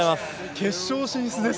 決勝進出です。